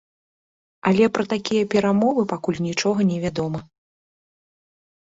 Але пра такія перамовы пакуль нічога не вядома.